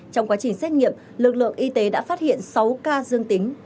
trong quá trình xét nghiệm lực lượng y tế đã phát hiện sáu ca dương tính